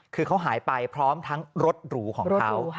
คือเขาหายไปพร้อมทั้งรถหรูของเขา